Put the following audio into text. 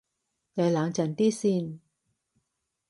你冷靜啲先